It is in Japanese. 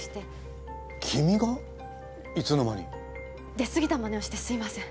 出過ぎたマネをしてすいません。